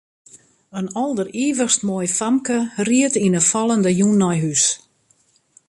In alderivichst moai famke ried yn 'e fallende jûn nei hûs.